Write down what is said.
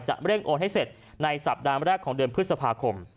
เร่งโอนให้เสร็จในสัปดาห์แรกของเดือนพฤษภาคม